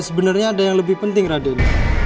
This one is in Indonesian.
sebenarnya ada yang lebih penting raden